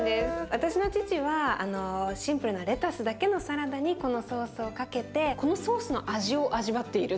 私の父はシンプルなレタスだけのサラダにこのソースをかけてこのソースの味を味わっているっていう感じのね